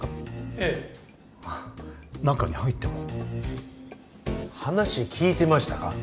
ええ中に入っても話聞いてましたか？